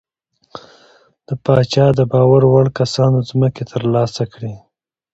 د پاچا د باور وړ کسانو ځمکې ترلاسه کړې.